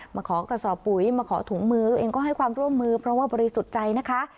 มาขอกระสอบปุ๋ยมาขอถุงมือตัวเองก็ให้ความร่วมมือเพราะว่าบริสุทธิ์ใจนะคะ